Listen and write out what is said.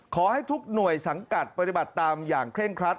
ขอให้ทุกหน่วยสังกัดปฏิบัติตามอย่างเคร่งครัด